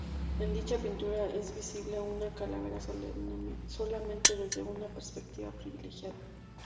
En dicha pintura es visible una calavera solamente desde una perspectiva privilegiada.